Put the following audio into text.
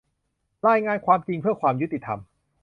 รายงาน "ความจริงเพื่อความยุติธรรม"